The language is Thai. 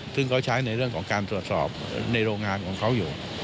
ซึ่งเขาใช้ในเรื่องของการตรวจสอบในโรงงานของเขาอยู่